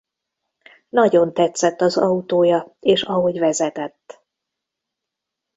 Nagyon tetszett az autója és ahogy vezetett.